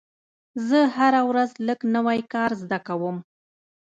زه هره ورځ لږ نوی کار زده کوم.